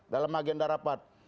dalam agenda rapat